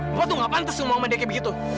bapak tuh gak pantas ngomong sama dia kayak begitu